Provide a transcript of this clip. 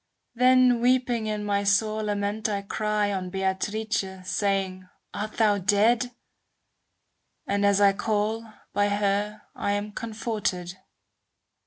Then weeping in my sore lament I cry On Beatrice, saying, "Art thou dead ?"And as I call, by her I'm comforted.